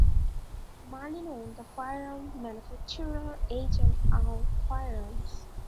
Marlin owned the firearm manufacturer H and R Firearms.